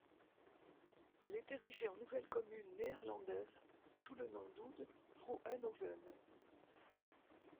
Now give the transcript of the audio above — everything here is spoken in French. Elle est érigée en nouvelle commune néerlandaise, sous le nom d'Oud-Vroenhoven.